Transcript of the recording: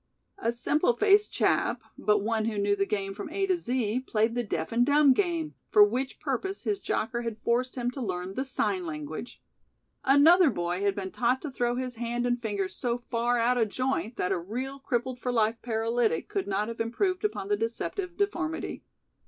A simple faced chap, but one who knew the game from A to Z, played the deaf and dumb game, for which purpose his jocker had forced him to learn the sign language. Another boy had been taught to throw his hand and fingers so far "out of joint" that a real crippled for life paralytic could not have improved upon the deceptive deformity.